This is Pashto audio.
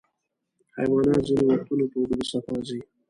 حیوانات ځینې وختونه په اوږده سفر ځي.